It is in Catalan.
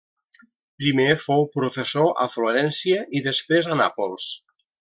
Primer fou professor a Florència i després a Nàpols.